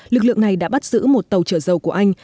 lực lượng này đã bắt giữ một tàu chở dầu của anh